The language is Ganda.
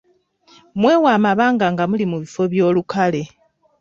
Mwewe amabanga nga muli mu bifo by'olukale.